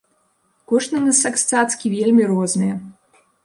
Кошты на секс-цацкі вельмі розныя.